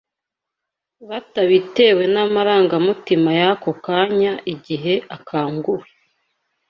batabitewe n’amarangamutima y’ako kanya igihe akanguwe